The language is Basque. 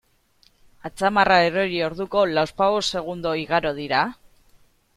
Atzamarra erori orduko, lauzpabost segundo igaro dira?